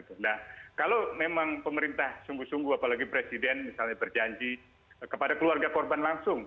karena kalau memang pemerintah sungguh sungguh apalagi presiden misalnya berjanji kepada keluarga korban langsung